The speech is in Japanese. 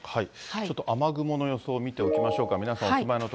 ちょっと雨雲の予想を見ておきましょうか。